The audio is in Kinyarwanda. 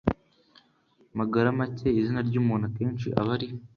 magaramake izina ry'umuntu akenshi aba ari